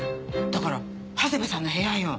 だから長谷部さんの部屋よ。